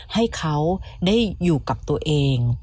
ให้เขาได้อยู่กับตัวเอง